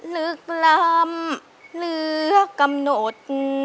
ลึกล้ำเหลือกำหนด